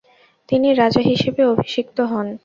তিনি রাজা হিসেবে অভিষিক্ত হন।